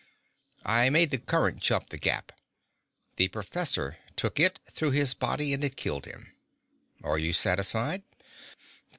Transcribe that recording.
"I made the current jump the gap. The professor took it through his body and it killed him. Are you satisfied?"